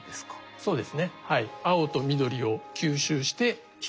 そうですねはい。